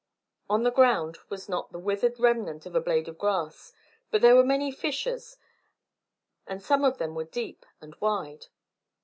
On the ground was not the withered remnant of a blade of grass; but there were many fissures, and some of them were deep and wide.